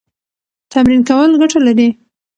تمرین کول ګټه لري.